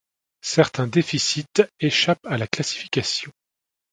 Certains déficits échappent à la classification.